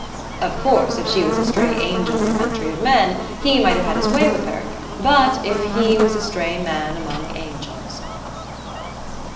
Of course, if she was a stray angel in a country of men, he might have had his way with her; but if he was a stray man among angels